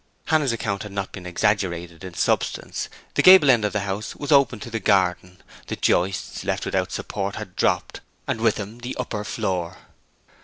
Hannah's account had not been exaggerated in substance: the gable end of the house was open to the garden; the joists, left without support, had dropped, and with them the upper floor.